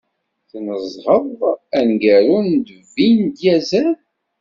Tnezzheḍ aneggaru n Vin Diesel?